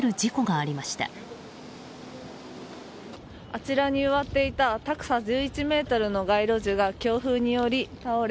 あちらに植わっていた高さ１１ｍの街路樹が強風により倒れ